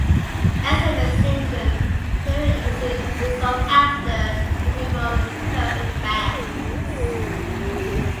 As in Meigs syndrome, pleural effusion resolves after removal of the pelvic mass.